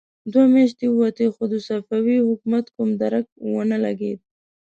دوې مياشتې ووتې، خو د صفوي حکومت کوم درک ونه لګېد.